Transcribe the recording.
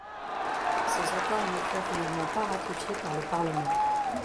Ces accords ne furent finalement pas ratifiés par le parlement.